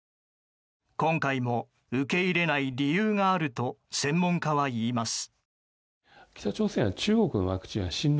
今回も受け入れない理由があると専門家は言います。